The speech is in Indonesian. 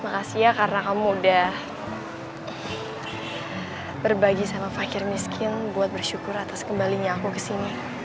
makasih ya karena kamu udah berbagi sama fakir miskin buat bersyukur atas kembalinya aku kesini